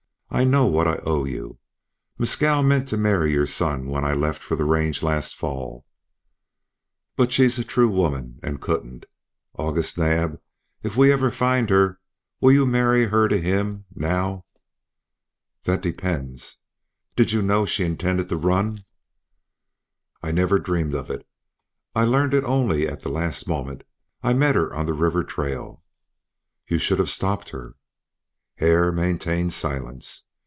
I know what I owe you. Mescal meant to marry your son when I left for the range last fall. But she's a true woman and couldn't. August Naab, if we ever find her will you marry her to him now?" "That depends. Did you know she intended to run?" "I never dreamed of it. I learned it only at the last moment. I met her on the river trail." "You should have stopped her." Hare maintained silence.